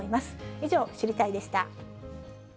以上、知りたいッ！でした。